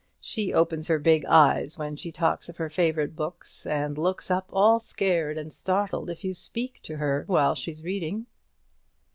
She opens her big eyes when she talks of her favourite books, and looks up all scared and startled if you speak to her while she's reading."